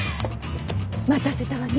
待たせたわね。